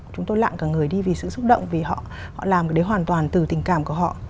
chúng tôi lạng cả người đi vì sự xúc động vì họ làm ở đấy hoàn toàn từ tình cảm của họ